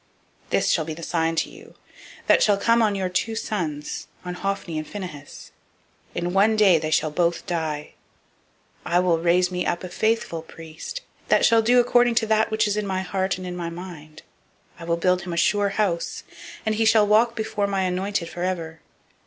002:034 This shall be the sign to you, that shall come on your two sons, on Hophni and Phinehas: in one day they shall die both of them. 002:035 I will raise me up a faithful priest, that shall do according to that which is in my heart and in my mind: and I will build him a sure house; and he shall walk before my anointed forever.